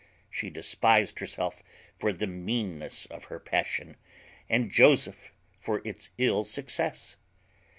She despised herself for the meanness of her passion, and Joseph for its ill success.